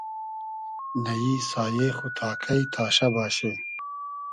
نئیی سایې خو تا کݷ تاشۂ باشی